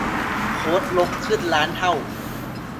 โค้ดรกขึ้นล้านเท่า